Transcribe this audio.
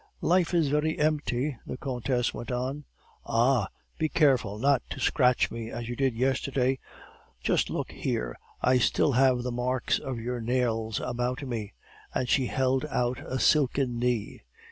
"'Life is very empty,' the countess went on. 'Ah! be careful not to scratch me as you did yesterday. Just look here, I still have the marks of your nails about me,' and she held out a silken knee.